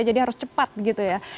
jadi harus cepat gitu ya